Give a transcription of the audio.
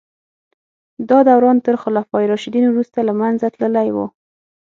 دا دوران تر خلفای راشدین وروسته له منځه تللی و.